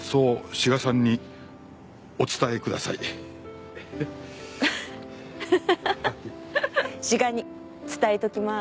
志賀に伝えておきます。